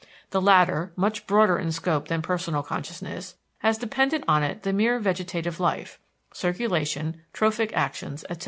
The latter, much broader in scope than personal consciousness, has dependent on it the entire vegetative life circulation, trophic actions, etc.